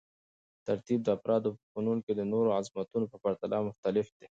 ترتیب د افرادو په فنون کې د نورو عظمتونو په پرتله مختلف دی.